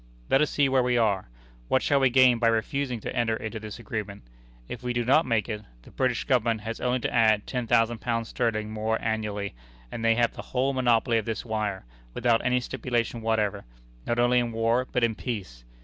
"Let us see where we are. What shall we gain by refusing to enter into this agreement? If we do not make it, the British Government has only to add ten thousand pounds sterling more annually, and they have the whole monopoly of this wire, without any stipulation whatever not only in war but in peace.